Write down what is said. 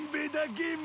ゲーム？